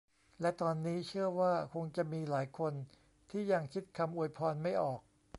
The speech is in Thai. และตอนนี้เชื่อว่าคงจะมีหลายคนที่ยังคิดคำอวยพรไม่ออก